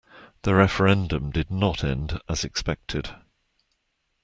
The referendum did not end as expected.